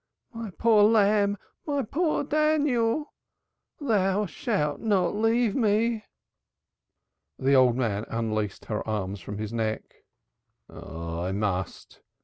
My poor lamb, my poor Daniel! Thou shalt not leave me." The old man unlaced her arms from his neck. "I must.